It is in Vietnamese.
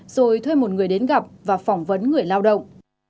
rồi thuê một người đến gặp và phỏng vấn người lao động